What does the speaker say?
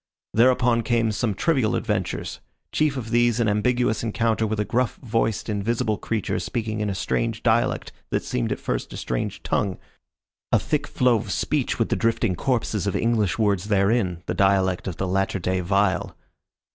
Thereupon came some trivial adventures; chief of these an ambiguous encounter with a gruff voiced invisible creature speaking in a strange dialect that seemed at first a strange tongue, a thick flow of speech with the drifting corpses of English Words therein, the dialect of the latter day vile.